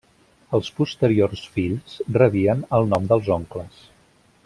Els posteriors fills rebien el nom dels oncles.